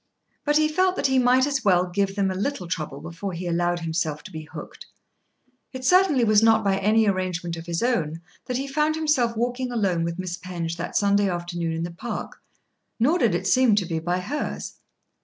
But he felt that he might as well give them a little trouble before he allowed himself to be hooked. It certainly was not by any arrangement of his own that he found himself walking alone with Miss Penge that Sunday afternoon in the park; nor did it seem to be by hers.